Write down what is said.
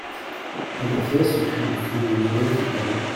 En effet, ce fut monsieur de Launay qui parut.